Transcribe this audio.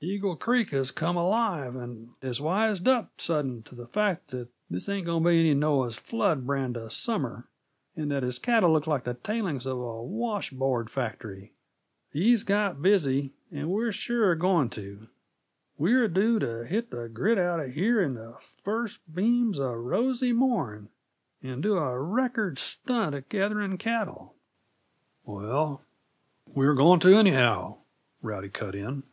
"Eagle Creek has come alive, and has wised up sudden to the fact that this ain't going t' be any Noah's flood brand uh summer, and that his cattle look like the tailings of a wash board factory. He's got busy and we're sure going to. We're due t' hit the grit out uh here in the first beams uh rosy morn, and do a record stunt at gathering cattle." "Well, we were going to, anyhow," Rowdy cut in.